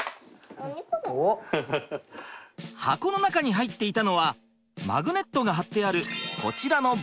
箱の中に入っていたのはマグネットが貼ってあるこちらのボード。